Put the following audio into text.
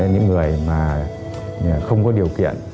những người mà không có điều kiện